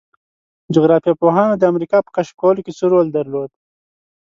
جغرافیه پوهانو د امریکا په کشف کولو کې څه رول درلود؟